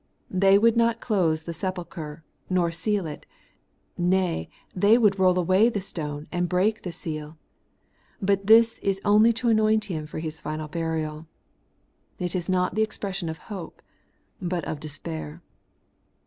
They would not close the sepulchre, nor seal it ; nay, they would roU away the stone and break the seal : but this is only to anoint Him for His final burial. It is not the expression of hope, but of despair.